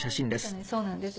そうなんです。